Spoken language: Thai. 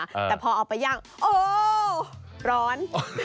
แต่พอเอาไปย่างโอ้ร้อน